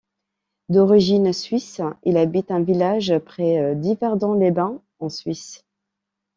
D'origine Suisse, il habite un village près d'Yverdon-les-Bains en Suisse.